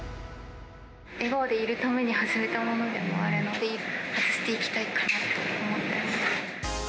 笑顔でいるために始めたものでもあるので、外していきたいかなと思ってます。